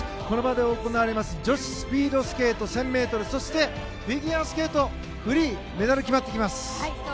この場で行われます女子スピードスケート１０００ｍそしてフィギュアスケートフリーメダルが決まってきます。